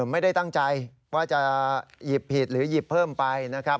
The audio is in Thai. ไม่ได้ตั้งใจว่าจะหยิบผิดหรือหยิบเพิ่มไปนะครับ